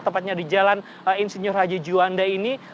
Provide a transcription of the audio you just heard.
tepatnya di jalan insinyur haji juanda ini